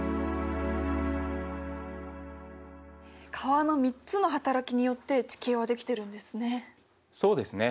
川の３つのはたらきによって地形はできてるんですね。